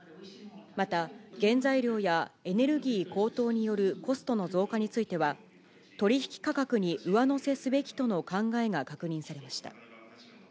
また、原材料やエネルギー高騰によるコストの増加については、取り引き価格に上乗せすべきとの考えが確認されました。